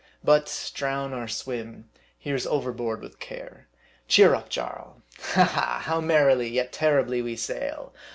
But drown or swim, here's overboard with care ! Cheer up, Jarl ! Ha ! ha ! how merrily, yet terribly, we sail